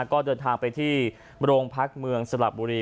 ก็เดินทางไปที่โรงพักเมืองสลับบุรี